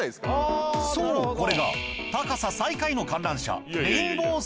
そうこれが高さ最下位の観覧車